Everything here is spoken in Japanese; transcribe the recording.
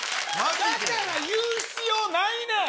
だから言う必要ないねん。